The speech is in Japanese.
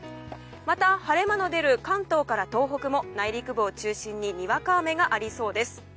また、晴れ間の出る関東から東北も内陸部を中心ににわか雨がありそうです。